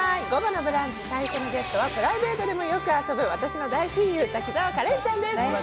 午後の「ブランチ」、最初のゲストはプライベートでもよく遊ぶ私の大親友、滝沢カレンちゃんです。